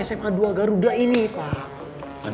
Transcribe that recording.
sma dua garuda ini pak